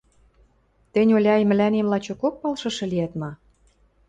Тӹнь, Оляй, мӹлӓнем лачокок палшышы лиӓт ма?